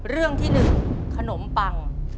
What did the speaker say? เรื่องที่๑ขนมปัง